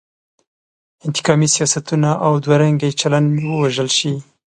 انتقامي سیاستونه او دوه رنګی چلن ووژل شي.